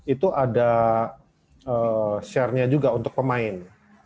itu ada share nya juga untuk pemain